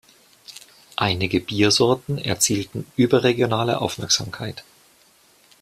Einige Biersorten erzielten überregionale Aufmerksamkeit.